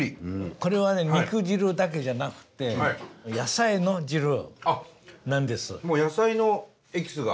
これはね肉汁だけじゃなくてもう野菜のエキスが。